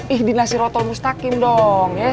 ih dinasir otomustakin dong